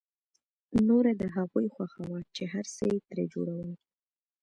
نوره د هغوی خوښه وه چې هر څه یې ترې جوړول